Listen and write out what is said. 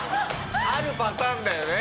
あるパターンだよね。